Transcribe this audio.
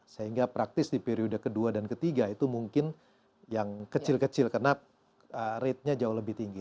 sehingga praktis di periode kedua dan ketiga itu mungkin yang kecil kecil karena ratenya jauh lebih tinggi